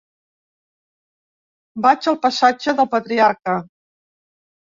Vaig al passatge del Patriarca.